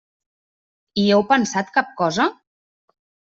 Hi heu pensat cap cosa?